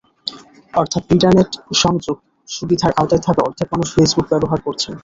অর্থাৎ ইন্টারনেট সংযোগ সুবিধার আওতায় থাকা অর্ধেক মানুষ ফেসবুক ব্যবহার করছেন।